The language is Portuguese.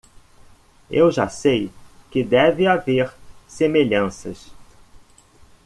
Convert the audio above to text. Eu já sei que deve haver semelhanças.